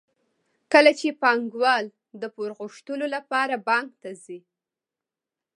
کله چې پانګوال د پور غوښتلو لپاره بانک ته ځي